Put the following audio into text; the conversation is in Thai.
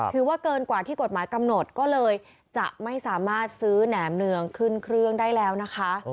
ถือว่าเกินกว่าที่กฎหมายกำหนดก็เลยจะไม่สามารถซื้อแหนมเนืองขึ้นเครื่องได้แล้วนะคะ